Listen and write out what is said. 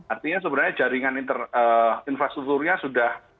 artinya sebenarnya jaringan infrastrukturnya sudah